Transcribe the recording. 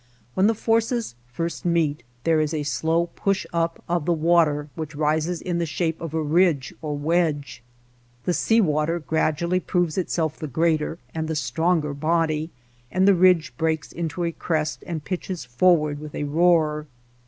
When the forces first meet there is a slow push up of the water which rises in the shape of a ridge or wedge. The sea water gradually proves itself the greater and the stronger body, and the ridge breaks into a crest and pitches forward with a roar.